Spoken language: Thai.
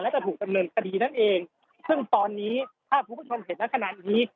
และจะถูกดำเนินคดีนั่นเองซึ่งตอนนี้ภาพคุณผู้ชมเห็นในขณะนี้